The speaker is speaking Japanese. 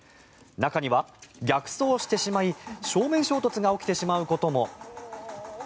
中には逆走してしまい正面衝突が起きてしまうことも。